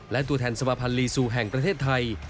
และตัวแทนสมาภัณฑ์ลีซูแห่งประเทศไทย